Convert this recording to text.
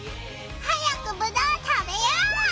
早くぶどう食べよう！